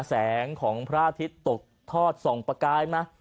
แสงของพระอาทิตย์ตกทอดส่องประกายมา